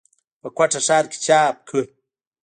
پۀ کوټه ښارکښې چاپ کړه ۔